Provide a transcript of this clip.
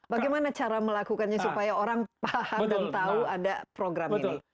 bagaimana cara melakukannya supaya orang paham dan tahu ada program ini